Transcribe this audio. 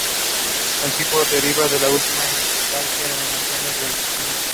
El tipo deriva en última instancia de la Venus de Cnido.